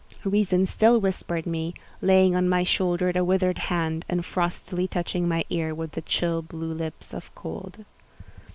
Reason still whispered me, laying on my shoulder a withered hand, and frostily touching my ear with the chill blue lips of eld.